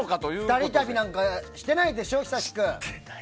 ２人旅なんかしてないでしょ久しく。